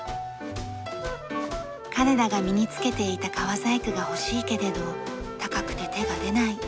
彼らが身につけていた革細工が欲しいけれど高くて手が出ない。